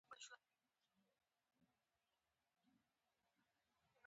ډهلی مو تر ولکې لاندې وو.